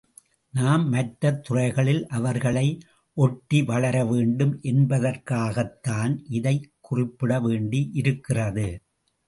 நாம் மற்ற துறைகளில் அவர்களை ஒட்டி வளரவேண்டும் என்பதற்காகத்தான் இதைக் குறிப்பிடவேண்டி யிருக்கிறது.